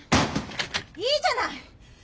いいじゃない！